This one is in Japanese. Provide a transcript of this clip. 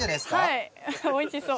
はいおいしそう。